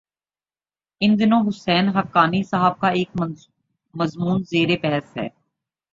ان دنوں حسین حقانی صاحب کا ایک مضمون زیر بحث ہے۔